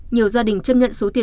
nhiều gia đình chấp nhận số tiền